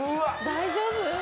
大丈夫？